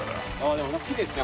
でもきれいですね。